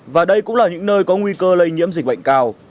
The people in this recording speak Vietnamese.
và đây cũng là những nơi có nguy cơ lây nhiễm dịch bệnh cao